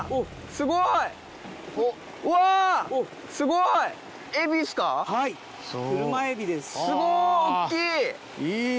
すごい大っきい！